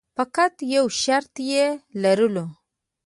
فقط یو شرط یې لرلو.